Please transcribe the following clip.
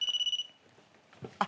あっ